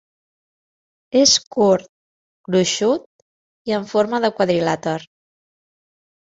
És curt, gruixut i en forma de quadrilàter.